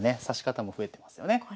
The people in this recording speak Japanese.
指し方も増えてますよね。